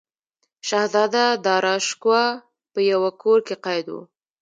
شهزاده داراشکوه په یوه کور کې قید و.